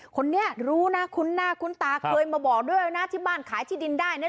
คนนี้รู้นะคุ้นหน้าคุ้นตาเคยมาบอกด้วยนะที่บ้านขายที่ดินได้เนี่ย